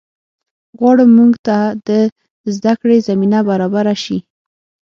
غواړم مونږ ته د زده کړې زمینه برابره شي